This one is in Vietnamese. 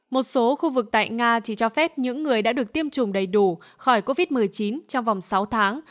một số khu vực tại nga chỉ cho phép những người đã được tiêm chủng đầy đủ khỏi covid một mươi chín trong vòng sáu tháng